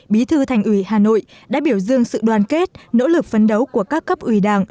bí thư thành ủy hà nội đã biểu dương sự đoàn kết nỗ lực phấn đấu của các cấp ủy đảng